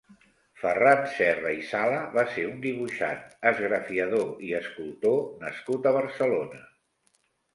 Ferran Serra i Sala va ser un dibuixant, esgrafiador i escultor nascut a Barcelona.